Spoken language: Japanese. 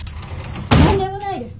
なんでもないです！